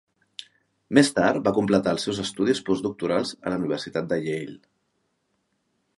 Més tard va completar els seus estudis postdoctorals a la Universitat Yale.